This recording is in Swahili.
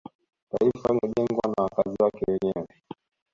taifa linajengwa na wakazi wake wenyewe